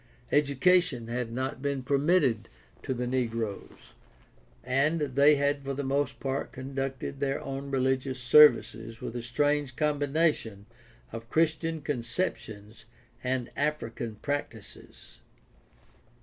Education had not been permitted to the negroes, and they had for the most part conducted their own religious services with a strange combination of Christian conceptions and African practices.